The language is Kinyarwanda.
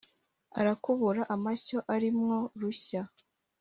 Arakubura amashyo arimwo Rushya,